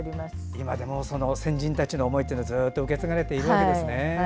今でも先人たちの思いをずっと受け継がれているんですね。